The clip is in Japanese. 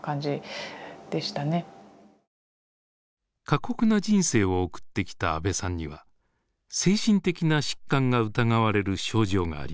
過酷な人生を送ってきた阿部さんには精神的な疾患が疑われる症状がありました。